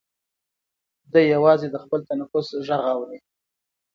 دی یوازې د خپل تنفس غږ اوري.